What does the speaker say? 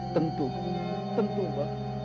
tentu tentu mbah